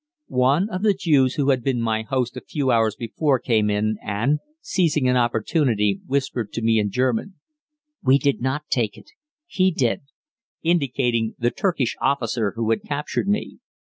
One of the Jews who had been my host a few hours before came in and, seizing an opportunity, whispered to me in German, "We did not take it; he did," indicating the Turkish officer who had captured me.